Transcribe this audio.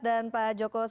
dan pak joko widodo